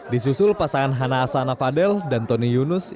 disusul pasangan hana asana fadel dan tony yunus